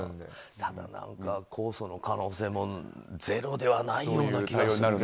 ただ控訴の可能性もゼロではない気がするな。